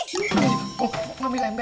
oh mami lembar